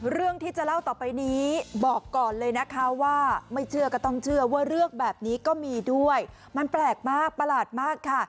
เรื่องที่จะเล่าต่อไปนี้บอกก่อนเลยนะคะว่าไม่เชื่อก็ต้องเชื่อว่าเรื่องแบบนี้ก็มีด้วยมันแปลกมากประหลาดมากค่ะ